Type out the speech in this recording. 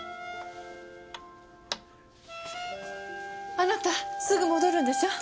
あなたすぐ戻るんでしょう？